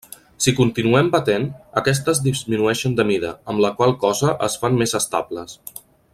Si continuem batent, aquestes disminueixen de mida, amb la qual cosa es fan més estables.